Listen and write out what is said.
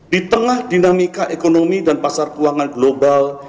di tengah dinamika ekonomi dan pasar keuangan global